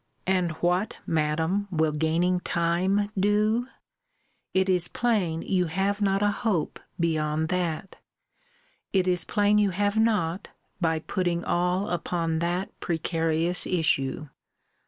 And what, Madam, will gaining time do? It is plain you have not a hope beyond that it is plain you have not, by putting all upon that precarious issue.